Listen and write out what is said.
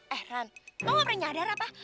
eh ran lo gak pernah nyadar apa